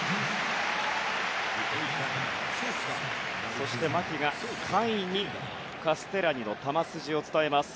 そして牧が甲斐にカステラニの球筋を伝えます。